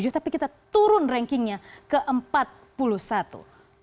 tapi kita turun rankingnya keempat puluh satu